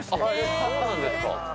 そうなんですか。